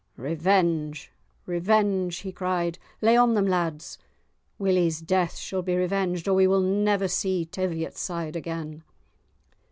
"Revenge! revenge!" he cried; "lay on them, lads. Willie's death shall be revenged or we will never see Teviotside again."